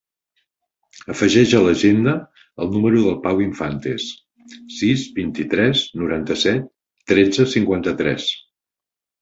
Afegeix a l'agenda el número del Pau Infantes: sis, vint-i-tres, noranta-set, tretze, cinquanta-tres.